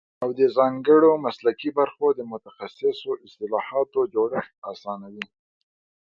او د ځانګړو مسلکي برخو د متخصصو اصطلاحاتو جوړښت اسانوي